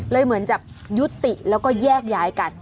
เหมือนจะยุติแล้วก็แยกย้ายกัน